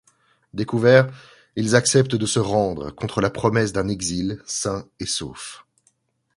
Découverts, ils acceptent de se rendre contre la promesse d'un exil sains et saufs.